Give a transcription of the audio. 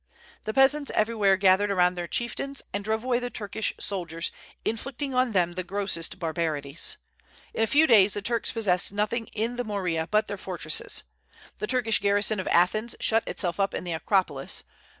The peasants everywhere gathered around their chieftains, and drove away the Turkish soldiers, inflicting on them the grossest barbarities. In a few days the Turks possessed nothing in the Morea but their fortresses. The Turkish garrison of Athens shut itself up in the Acropolis.